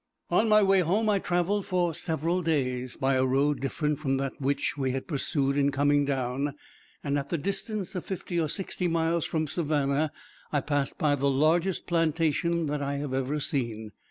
On my way home I traveled for several days, by a road different from that which we had pursued in coming down; and at the distance of fifty or sixty miles from Savannah, I passed by the largest plantation that I had ever seen.